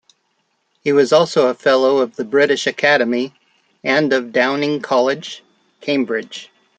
He was also a Fellow of the British Academy and of Downing College, Cambridge.